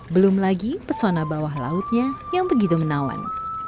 belum lagi pesona bawah lautnya yang begitu menawan